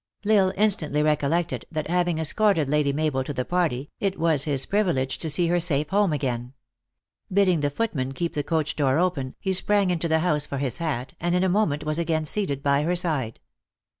L Isle instantly recollected, that having escorted Lady Mabel to the party, it was his privilege to see her safe home again. Bidding the footman keep the coach door open, he sprang into the house for his hat, and in a moment was again seated by her side.